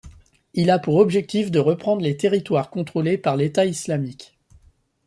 Il a pour objectif de reprendre les territoires contrôlés par l'État islamique.